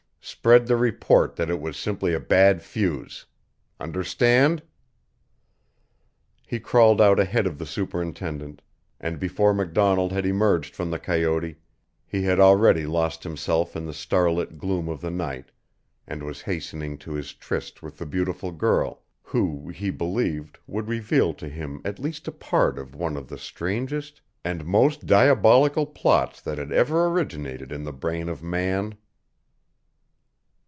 Spread the report that it was simply a bad fuse. Understand?" He crawled out ahead of the superintendent, and before MacDonald had emerged from the coyote he had already lost himself in the starlit gloom of the night and was hastening to his tryst with the beautiful girl, who, he believed, would reveal to him at least a part of one of the strangest and most diabolical plots that had ever originated in the brain of man.